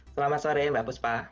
selamat sore mbak puspa